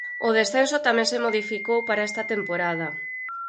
O descenso tamén se modificou para esta temporada.